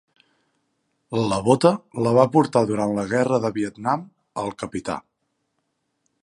La bota la va portar durant la Guerra de Vietnam el Capità